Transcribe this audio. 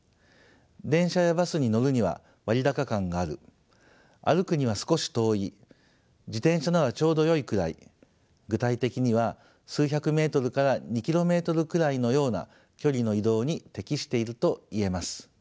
電車やバスに乗るには割高感がある歩くには少し遠い自転車ならちょうどよいくらい具体的には数百ｍから２ｋｍくらいのような距離の移動に適していると言えます。